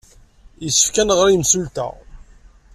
Yessefk ad nɣer i yemsulta.